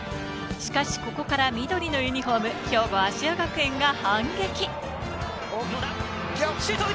しかしここから緑のユニホーム、兵庫・芦屋学園が反撃。